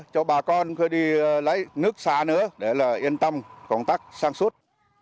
cho bà con có đi lấy nước xa nữa để là yên tâm công tác sản xuất